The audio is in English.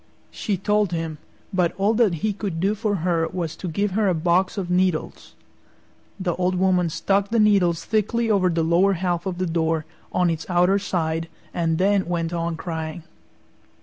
She told him, but all that he could do for her was to give her a box of needles. The Old Woman stuck the needles thickly over the lower half of the door, on its outer side, and then went on crying.